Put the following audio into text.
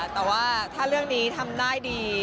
แต่ว่าถ้าเรื่องนี้ทำได้ดี